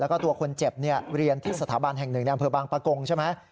แล้วก็ตัวคนเจ็บเรียนที่สถาบันแห่งหนึ่งในอำเภอบางปะกงใช่ไหม